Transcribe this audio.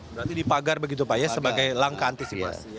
berarti dipagar begitu pak ya sebagai langkah antisipasi